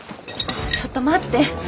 ちょっと待って。